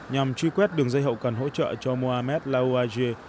nhằm truy quét đường dây hậu cần hỗ trợ cho mohamed laouajie